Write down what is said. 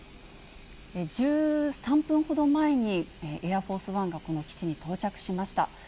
１３分ほど前に、エアフォースワンがこの基地に到着しました。